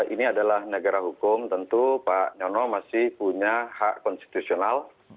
ini adalah negara hukum tentu pak nyono masih punya hak konstitusional